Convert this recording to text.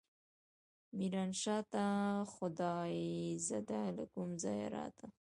ميرانشاه ته خدايزده له کوم ځايه راته.